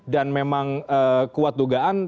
dan memang kuat dugaan